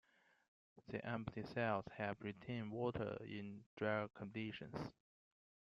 The empty cells help retain water in drier conditions.